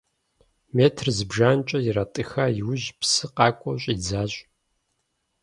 Метр зыбжанэкӏэ иратӏыха иужь, псы къакӏуэу щӏидзащ.